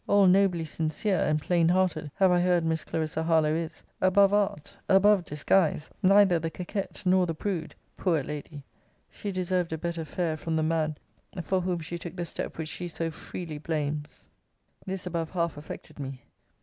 All nobly sincere, and plain hearted, have I heard Miss Clarissa Harlowe is: above art, above disguise; neither the coquette, nor the prude! Poor lady! she deserved a better fare from the man for whom she took the step which she so freely blames! This above half affected me.